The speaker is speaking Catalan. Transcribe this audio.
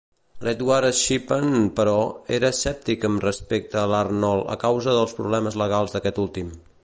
L'Edward Shippen, però, era escèptic amb respecte a l'Arnold a causa dels problemes legals d'aquest últim.